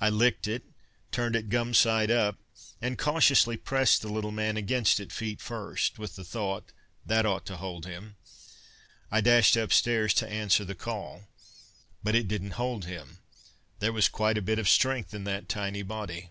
I licked it, turned it gum side up, and cautiously pressed the little man against it feet first. With the thought, "That ought to hold him," I dashed upstairs to answer the call._ _But it didn't hold him. There was quite a bit of strength in that tiny body.